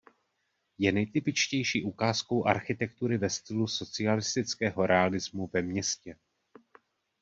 Je nejtypičtější ukázkou architektury ve stylu socialistického realismu ve městě.